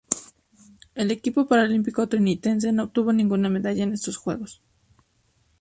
El equipo paralímpico trinitense no obtuvo ninguna medalla en estos Juegos.